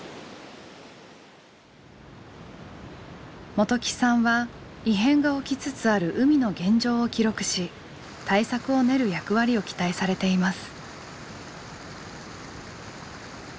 元起さんは異変が起きつつある海の現状を記録し対策を練る役割を期待されています。